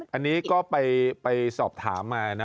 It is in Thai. อันนี้ก็ไปสอบถามมานะ